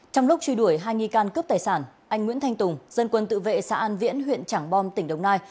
trong lúc truy đuổi hai nghi can cướp tài sản anh nguyễn thanh tùng dân quân tự vệ xã an viễn huyện trảng bom tỉnh đồng nai